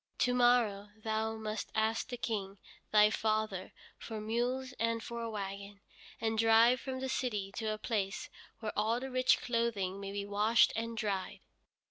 To morrow thou must ask the King, thy father, for mules and for a wagon, and drive from the city to a place where all the rich clothing may be washed and dried."